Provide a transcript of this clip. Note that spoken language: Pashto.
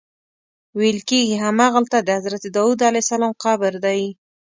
ویل کېږي همغلته د حضرت داود علیه السلام قبر دی.